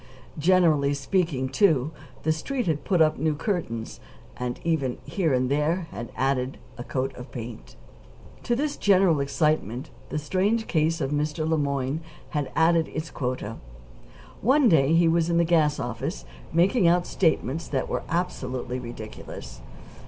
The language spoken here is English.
Generally speaking, too, the Street had put up new curtains, and even, here and there, had added a coat of paint. To this general excitement the strange case of Mr. Le Moyne had added its quota. One day he was in the gas office, making out statements that were absolutely ridiculous.